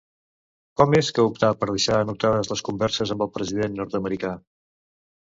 Com és que optà per deixar anotades les converses amb el president nord-americà?